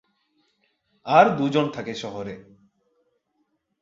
আর দুজন থাকে শহরে।